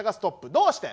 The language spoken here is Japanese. どうして？」。